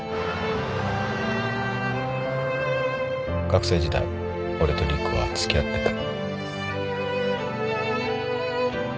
学生時代俺と陸はつきあってた。